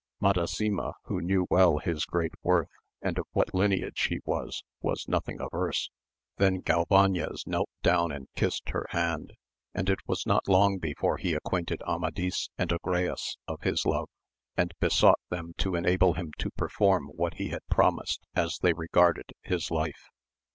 Madasima, who well knew his great worth, and of what lineage he was, was nothing averse ; then Galvanes knelt down and kissed her hand^ and it was not long before heacquainted Amadis and Agrayes of his love, and besought them to enable him to perform what he had promised as they regarded his life.